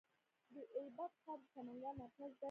د ایبک ښار د سمنګان مرکز دی